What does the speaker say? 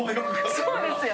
そうですよ。